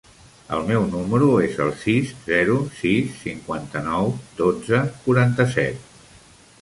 El meu número es el sis, zero, sis, cinquanta-nou, dotze, quaranta-set.